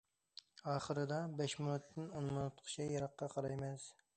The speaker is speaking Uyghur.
ئاخىرىدا بەش مىنۇتتىن ئون مىنۇتقىچە يىراققا قارايمىز.